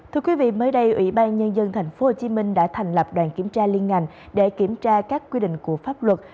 thưa quý vị mới đây ủy ban nhân dân tp hcm đã thành lập đoàn kiểm tra liên ngành để kiểm tra các quy định của pháp luật